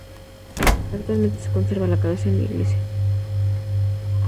Actualmente se conserva la cabeza en la iglesia.